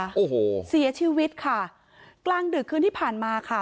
โอ้โหเสียชีวิตค่ะกลางดึกคืนที่ผ่านมาค่ะ